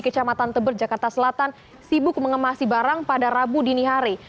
kecamatan tebet jakarta selatan sibuk mengemasi barang pada rabu dini hari